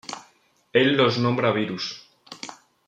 Él los nombra virus.